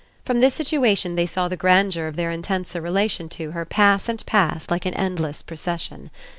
From this situation they saw the grandeur of their intenser relation to her pass and pass like an endless procession.